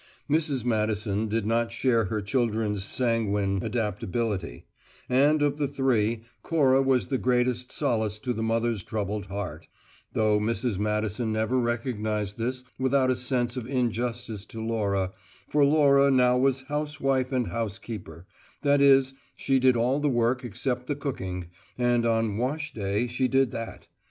Mrs. Madison did not share her children's sanguine adaptability; and, of the three, Cora was the greatest solace to the mother's troubled heart, though Mrs. Madison never recognized this without a sense of injustice to Laura, for Laura now was housewife and housekeeper that is, she did all the work except the cooking, and on "wash day" she did that.